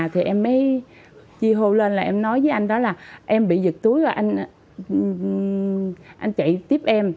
thì em mới chi hô lên là em nói với anh đó là em bị giật túi và anh chạy tiếp em